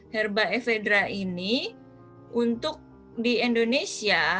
herba efedra ini untuk di indonesia